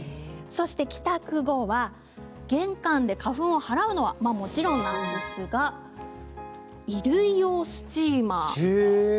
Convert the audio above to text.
そして、帰宅後は玄関で花粉を払うのはもちろんなんですが衣類用スチーマー。